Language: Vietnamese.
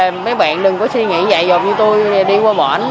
mấy bạn đừng có suy nghĩ dạy dọc như tôi đi qua bển